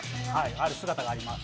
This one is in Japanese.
ある姿があります。